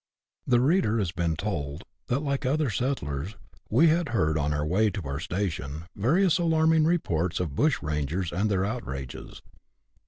The reader has been told that, like other settlers, we had heard, on our way to our station, various alarming reports of bush rangers and their outrages.